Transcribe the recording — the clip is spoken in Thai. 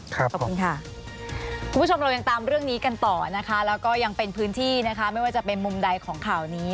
ขอบคุณค่ะคุณผู้ชมเรายังตามเรื่องนี้กันต่อนะคะแล้วก็ยังเป็นพื้นที่นะคะไม่ว่าจะเป็นมุมใดของข่าวนี้